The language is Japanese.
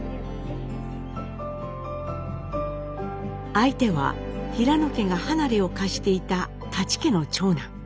相手は平野家が離れを貸していた舘家の長男。